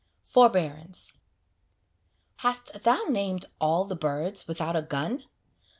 FORBEARANCE Hast thou named all the birds without a gun?